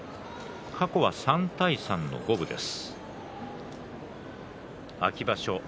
過去は３対３の五分です。